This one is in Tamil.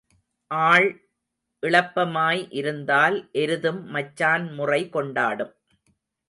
ஆள் இளப்பமாய் இருந்தால் எருதும் மச்சான் முறை கொண்டாடும்.